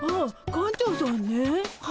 館長さん？